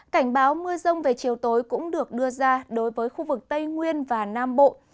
cảnh báo mưa rông về chiều tối cũng được đưa ra đối với khu vực tây nguyên và nam bộ